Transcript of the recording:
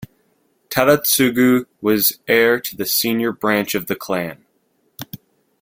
Tadatsugu was heir to the senior branch of the clan.